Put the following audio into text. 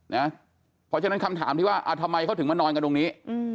เพราะฉะนั้นคำถามที่ว่าทำไมเขาถึงมานอนกันตรงนี้